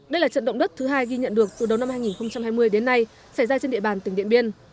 đây là trận động đất thứ hai ghi nhận được từ đầu năm hai nghìn hai mươi đến nay xảy ra trên địa bàn tỉnh điện biên